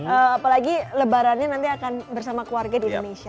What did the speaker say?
apalagi lebarannya nanti akan bersama keluarga di indonesia